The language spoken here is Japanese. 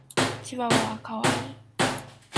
チワワは可愛い。